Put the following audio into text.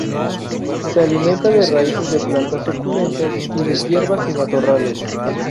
Se alimenta de raíces de plantas suculentas y de hierbas y matorrales.